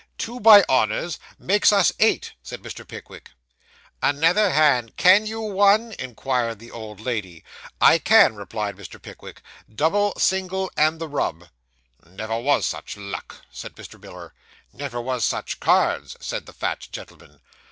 'Two by honours makes us eight,' said Mr. Pickwick. 'Another hand. 'Can you one?' inquired the old lady. 'I can,' replied Mr. Pickwick. 'Double, single, and the rub.' 'Never was such luck,' said Mr. Miller. 'Never was such cards,' said the fat gentleman.